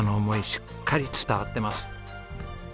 しっかり伝わってます。